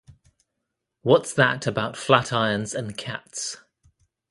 What's that about flat-irons and cats?